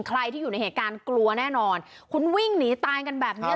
ใครที่อยู่ในเหตุการณ์กลัวแน่นอนคุณวิ่งหนีตายกันแบบเนี้ย